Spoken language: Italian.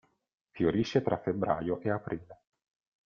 Fiorisce tra febbraio e aprile.